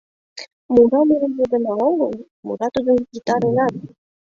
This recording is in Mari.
Мура мурызо гына огыл, мура тудын гитарыжат.